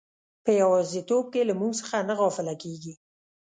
په یوازیتوب کې له موږ څخه نه غافله کیږي.